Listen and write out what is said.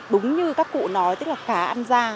đúng như các cụ nói tức là khá ăn da